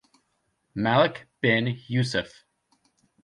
Malek bin Yusuf.